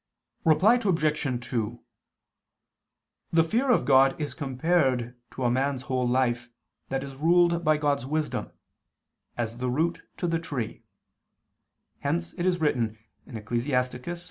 Reply Obj. 2: The fear of God is compared to a man's whole life that is ruled by God's wisdom, as the root to the tree: hence it is written (Ecclus.